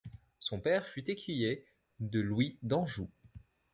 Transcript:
Son père fut écuyer de Louis d'Anjou.